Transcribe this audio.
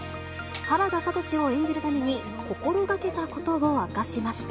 原田智を演じるために心がけたことを明かしました。